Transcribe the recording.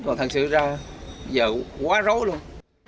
còn thật sự ra giờ quá rối luôn